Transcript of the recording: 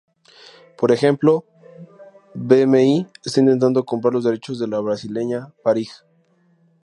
Por ejemplo, bmi está intentando comprar los derechos de la brasileña Varig.